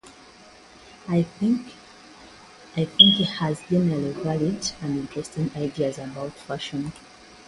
I think he has generally valid and interesting ideas about fashion.